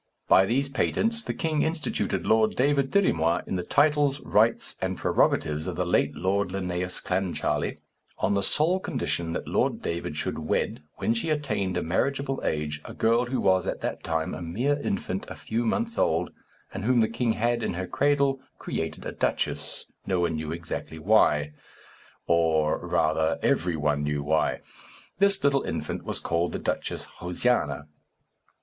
By these patents the king instituted Lord David Dirry Moir in the titles, rights, and prerogatives of the late Lord Linnæus Clancharlie, on the sole condition that Lord David should wed, when she attained a marriageable age, a girl who was, at that time, a mere infant a few months old, and whom the king had, in her cradle, created a duchess, no one knew exactly why; or, rather, every one knew why. This little infant was called the Duchess Josiana.